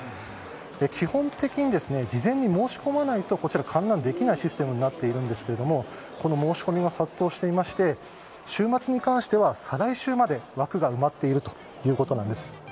基本的に事前に申し込まないと観覧できないシステムになっているんですが申し込みが殺到していまして週末に関しては再来週まで枠が埋まっているということです。